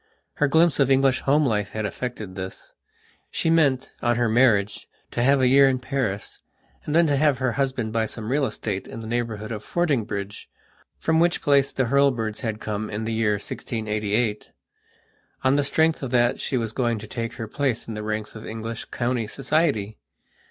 Her glimpse of English home life had effected this. She meant, on her marriage, to have a year in Paris, and then to have her husband buy some real estate in the neighbourhood of Fordingbridge, from which place the Hurlbirds had come in the year 1688. On the strength of that she was going to take her place in the ranks of English county society.